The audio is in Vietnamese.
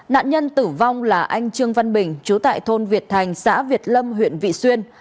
nạn nhân tử vong là anh trương văn bình chú tại thôn việt thành xã việt lâm huyện vị xuyên